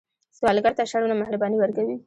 سوالګر ته شرم نه، مهرباني ورکوئ